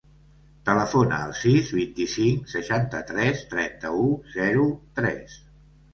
Telefona al sis, vint-i-cinc, seixanta-tres, trenta-u, zero, tres.